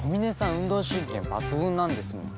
運動神経抜群なんですもん。